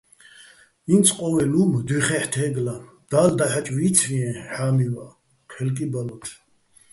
ინც ყო́ველ უ̂მ დუჰ̦ეჲვხ თეგლა, და́ლ დაჰაჭ ვიცვიეჼ ჰ̦ამივაჸ, ჴელ კი ბალოთ.